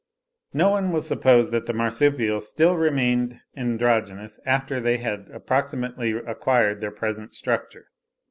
No one will suppose that the marsupials still remained androgynous, after they had approximately acquired their present structure.